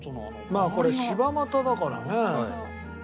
まあこれ柴又だからね。